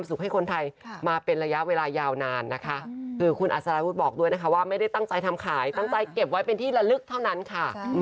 ไม่ได้ตั้งใจทำขายตั้งใจเก็บไว้เป็นที่ละลึกเท่านั้นค่ะ